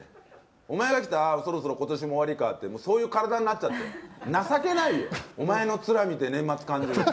お前が来たら、そろそろことしも終わりかって、そういう体になっちゃって、情けないよ、お前のつら見て年末感じるって。